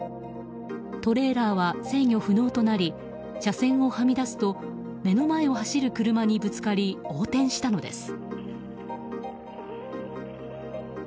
トレーラーは制御不能となり車線をはみ出すと目の前を走る車にぶつかり横転したのです。